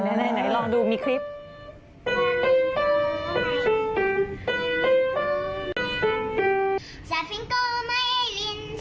ไหนลองดูมีคลิป